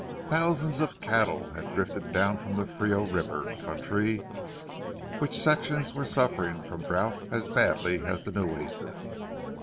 Thousands of cattle had drifted down from the Frio River country, which section was suffering from drouth as badly as the Nueces.